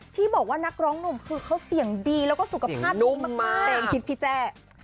ที่บอกว่านักร้องหนุ่มคือเขาเสียงดีแล้วก็สุขภาพดีมากแต่ยังคิดพี่แจ้